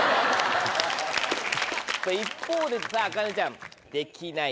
一方で茜ちゃん「できない」